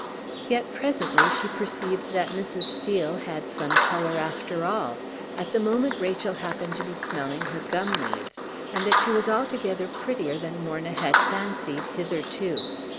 Yet presently she perceived that Mrs. Steel had some color after all at the moment Rachel happened to be smelling her gum leaves and that she was altogether prettier than Morna had fancied hitherto.